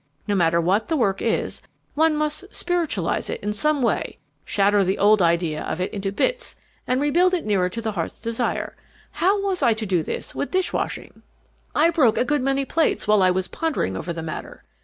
No matter what the work is, one must spiritualize it in some way, shatter the old idea of it into bits and rebuild it nearer to the heart's desire. How was I to do this with dish washing? "I broke a good many plates while I was pondering over the matter.